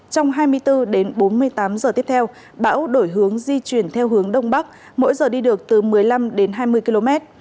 trong hai mươi bốn đến bốn mươi tám giờ tiếp theo bão đổi hướng di chuyển theo hướng đông bắc mỗi giờ đi được từ một mươi năm đến hai mươi km